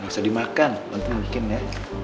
gak usah dimakan bantu bikin ya